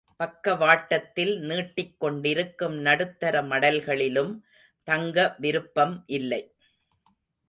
பக்க வாட்டத்தில் நீட்டிக் கொண்டிருக்கும் நடுத்தர மடல்களிலும் தங்க விருப்பம் இல்லை.